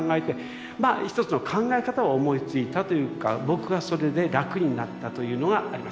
まあ一つの考え方を思いついたというか僕がそれで楽になったというのがあります。